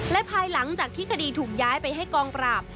และภายหลังจากที่คดีถูกย้ายไปให้กองปราบ